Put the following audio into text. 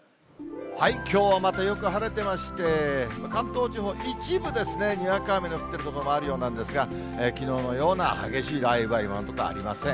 きょうはまたよく晴れてまして、関東地方、一部ですね、にわか雨の降ってる所もあるようなんですが、きのうのような激しい雷雨は、今のところありません。